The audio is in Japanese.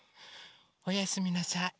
おやすみなさい。